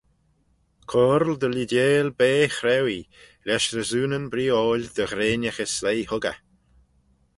Coyrle dy leeideil bea chrauee, lesh resoonyn breeoil dy ghreinnaghey sleih huggey.